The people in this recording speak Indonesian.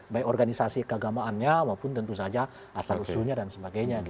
baik organisasi keagamaannya maupun tentu saja asal usulnya dan sebagainya